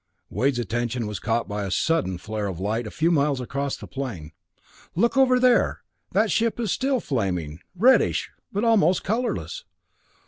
Wade's attention was caught by a sudden flare of light a few miles across the plain. "Look over there that ship is still flaming reddish, but almost colorless.